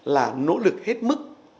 là nỗ lực hết mức